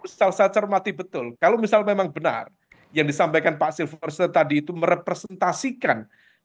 selalu saya cermati betul kalau misal memang benar yang disampaikan pak silverse tadi itu merepresentasikan